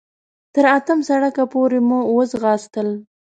تر اتم سړک پورې مو وځغاستل.